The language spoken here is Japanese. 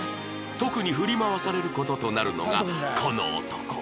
特に振り回される事となるのがこの男